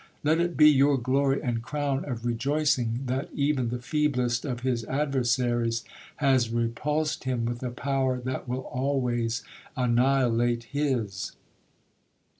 Let it be your glory and crown of rejoicing, that even the feeblest of his adversaries has repulsed him with a power that will always annihilate his.'